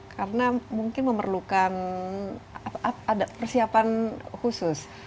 karena mungkin memerlukan persiapan khusus